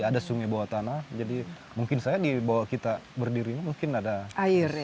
ada sungai bawah tanah jadi mungkin saya di bawah kita berdiri mungkin ada air